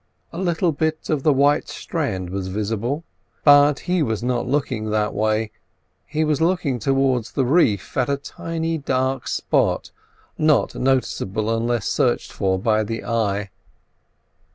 A little bit of the white strand was visible, but he was not looking that way—he was looking towards the reef at a tiny, dark spot, not noticeable unless searched for by the eye.